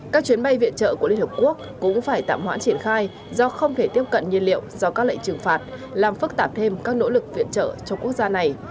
các chuyến bay viện trợ của liên hợp quốc cũng phải tạm hoãn triển khai do không thể tiếp cận nhiên liệu do các lệnh trừng phạt làm phức tạp thêm các nỗ lực viện trợ cho quốc gia này